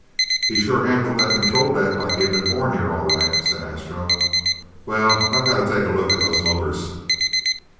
"He sure handled that control deck like he had been born here, all right," said Astro. "Well, I've got to take a look at those motors.